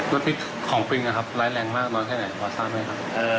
แล้วพิษของปริงร้ายแรงมากร้อนแค่ไหนพอสร้างได้ไหมครับ